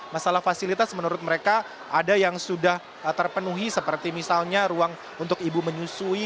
masalah fasilitas menurut mereka ada yang sudah terpenuhi seperti misalnya ruang untuk ibu menyusui